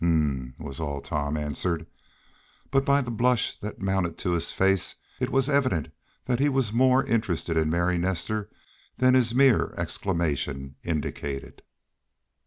"Um!" was all Tom answered, but by the blush that mounted to his face it was evident that he was more interested in Mary Nestor than his mere exclamation indicated.